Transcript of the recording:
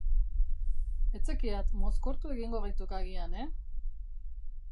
Ez zekiat, mozkortu egingo gaituk agian, e?